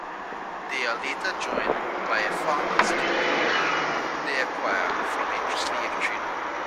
They are later joined by a farmer's daughter, whom they acquire from a slave-trader.